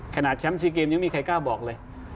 ขนาดแชมป์๔เกมยังมีใครกล้าบอกเลย